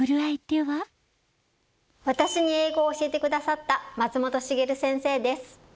私に英語を教えてくださった松本茂先生です。